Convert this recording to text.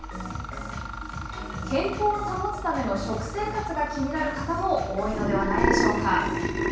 健康を保つための食生活が気になる方も多いのではないでしょうか？